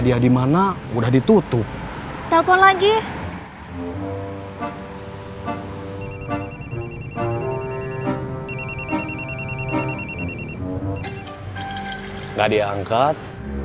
dimana udah ditutup telepon lagi nggak diangkat